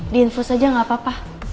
di infus aja gak apa apa